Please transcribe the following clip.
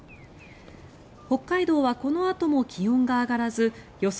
北海道はこのあとも気温が上がらず予想